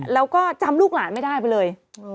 แล้วก็จำลูกหลานไม่ได้ไปเลย